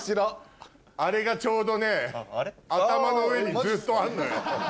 あれがちょうどね頭の上にずっとあんのよ。